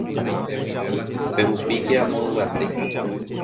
Pehupíke amo yvate